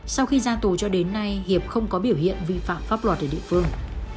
sau khi ra tù cho đến nay hiệp không có biểu hiện vi phạm pháp luật ở địa phương